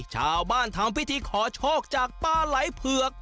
ชาวบ้านทำวิธีขอโชคจากปลาไหล่เผือก